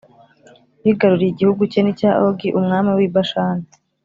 Bigaruriye igihugu cye n’icya Ogi umwami w’i Bashani,